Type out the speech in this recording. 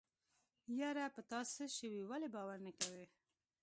يره په تاڅه شوي ولې باور نه کوې.